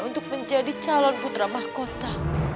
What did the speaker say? untuk menjadi calon putra mahkota